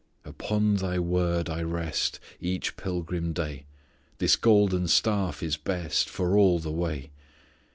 "Upon Thy Word I rest Each pilgrim day. This golden staff is best For all the way.